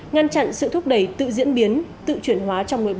ngăn chặn sự thúc đẩy tự diễn biến tự chuyển hóa trong nội bộ